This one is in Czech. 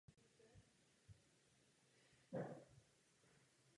Je absolventem ekonomie na Kalifornské univerzitě v Santa Barbaře.